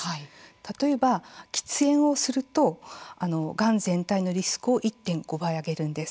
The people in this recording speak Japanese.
例えば喫煙をするとがん全体のリスクが１．５倍上がるんです。